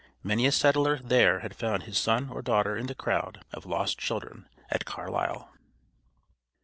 Many a settler there had found his son or daughter in the crowd of lost children at Carlisle.